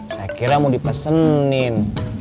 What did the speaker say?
saya kira mau dipesenin